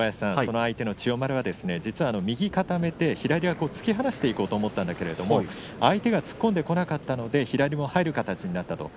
その相手の千代丸は右を固めて左は突き放していこうと思ったんだけれども相手が突っ込んでこなかったので左も入る形になった。